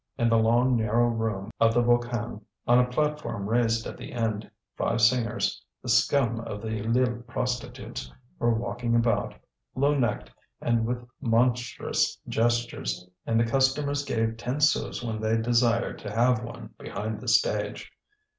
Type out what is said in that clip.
In the long narrow room of the Volcan, on a platform raised at the end, five singers, the scum of the Lille prostitutes, were walking about, low necked and with monstrous gestures, and the customers gave ten sous when they desired to have one behind the stage.